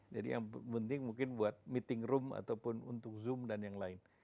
jadi yang penting mungkin buat meeting room ataupun untuk zoom dan yang lain